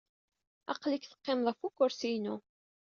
Aql-ik teqqimeḍ ɣef ukersi-inu.